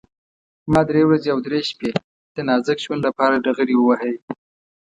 ما درې ورځې او درې شپې د نازک ژوند لپاره ډغرې ووهلې.